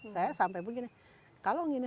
saya sampai begini